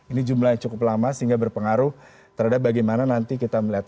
ini jumlah yang cukup lama sehingga berpengaruh terhadap bagaimana nanti kita melihat